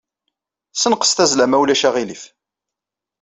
Ssenqes tazzla ma ulac aɣilif.